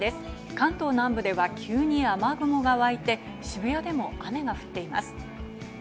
関東南部では急に雨雲がわいて渋谷でも雨が降っています。